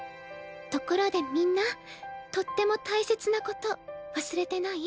ところでみんなとっても大切なこと忘れてない？